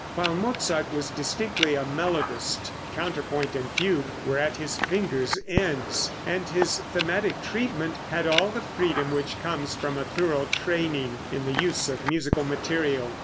While Mozart was distinctly a melodist, counterpoint and fugue were at his fingers' ends, and his thematic treatment had all the freedom which comes from a thorough training in the use of musical material.